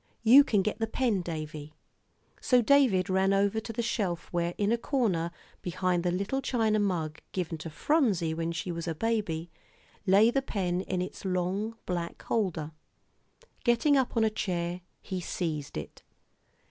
"You can get the pen, Davie." So David ran over to the shelf where, in a corner behind the little china mug given to Phronsie when she was a baby, lay the pen in its long black holder. Getting up on a chair, he seized it.